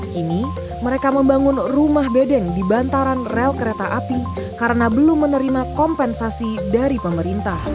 kini mereka membangun rumah bedeng di bantaran rel kereta api karena belum menerima kompensasi dari pemerintah